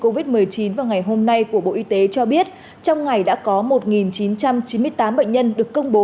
covid một mươi chín vào ngày hôm nay của bộ y tế cho biết trong ngày đã có một chín trăm chín mươi tám bệnh nhân được công bố